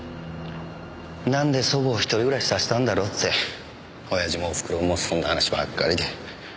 なんで祖母を一人暮らしさせたんだろうって親父もおふくろもそんな話ばっかりで。